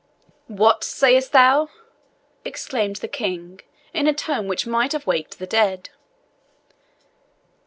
"WHAT sayest thou?" exclaimed the King, in a tone which might have waked the dead.